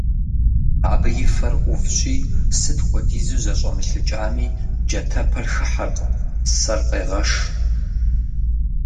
Абы и фэр Ӏувщи, сыт хуэдизу зэщӀэмылъыкӀами, джатэпэр хыхьэркъым, сэр къегъэш.